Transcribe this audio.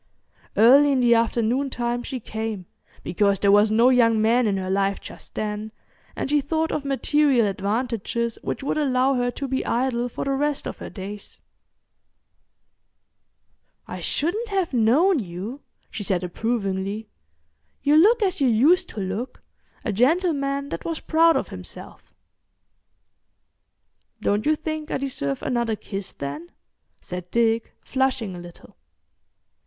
Early in the afternoon time she came, because there was no young man in her life just then, and she thought of material advantages which would allow her to be idle for the rest of her days. "I shouldn't have known you," she said approvingly. "You look as you used to look—a gentleman that was proud of himself." "Don't you think I deserve another kiss, then?" said Dick, flushing a little.